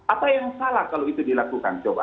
apa yang salah kalau itu dilakukan coba